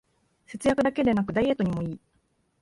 節約だけでなくダイエットにもいい